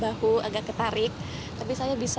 beneran bagi tshotsega danampedapps